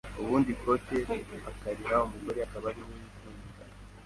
ubundi ikote akariha umugore akaba ari we wifubika